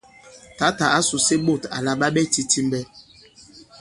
Tǎtà ǎ sùse ɓôt àla ɓa ɓɛ titimbɛ.